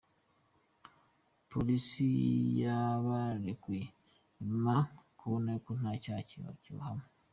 Polisi yabarekuye nyuma yo kubona ko nta cyaha kibahama.